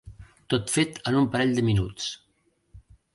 Tot fet en un parell de minuts.